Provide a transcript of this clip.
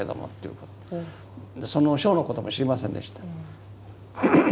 その賞のことも知りませんでした。